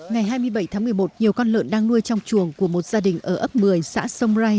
ngày hai mươi bảy tháng một mươi một nhiều con lợn đang nuôi trong chuồng của một gia đình ở ấp một mươi xã sông rai